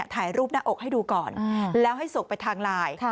ถ่ายรูปหน้าอกให้ดูก่อนแล้วให้ส่งไปทางไลน์